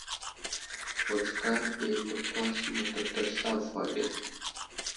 Wutskar ɗi təkwas mətatasl avohw age.